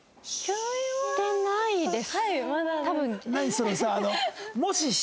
そのさ。